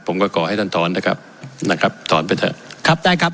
ขอให้ท่านถอนนะครับนะครับถอนไปเถอะครับได้ครับ